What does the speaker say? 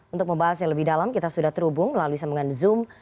untuk membahas yang lebih dalam kita sudah terhubung melalui sambungan zoom